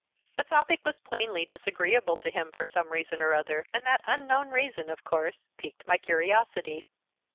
The topic was plainly disagreeable to him for some reason or other, and that unknown reason of course piqued my curiosity.